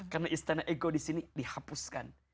karena istana ego disini dihapuskan